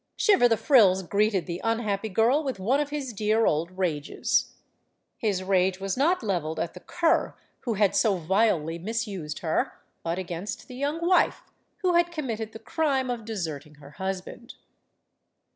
Shiver the frills greeted the unhappy girl with one of his dear old rages. His rage was not leveled at the cur who had so vilely misused her, but against fhe young wife who had committed the crime of deserting her husband.